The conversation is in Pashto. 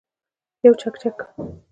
یو چکچک